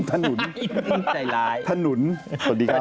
ถนนใจร้ายถนนสวัสดีครับ